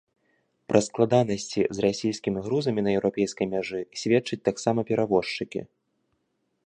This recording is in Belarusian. Пра складанасці з расійскімі грузамі на еўрапейскай мяжы сведчаць таксама перавозчыкі.